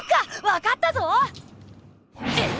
わかったぞ！